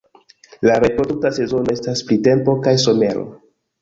La reprodukta sezono estas printempo kaj somero.